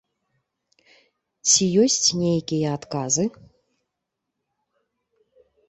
Ці ёсць нейкія адказы?